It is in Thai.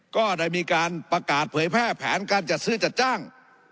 ก็ได้มีการประกาศเผยแพร่แผนการจัดซื้อจัดจ้าง